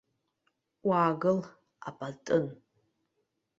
Уаагыл, апатын!